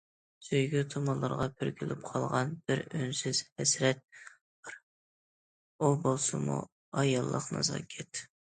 سۆيگۈ تۇمانلىرىغا پۈركىلىپ قالغان بىر ئۈنسىز ھەسرەت بار، ئۇ بولسىمۇ ئاياللىق نازاكەت.